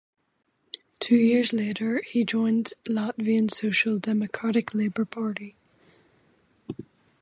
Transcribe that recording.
Two years later, he joined Latvian Social Democratic Labour Party.